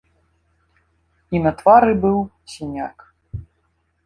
І на твары быў сіняк.